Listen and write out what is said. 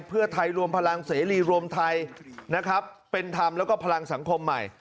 เพื่อไทยรวมพลังเสรีรวมไทยนะครับเป็นธรรมแล้วก็พลังสังคมใหม่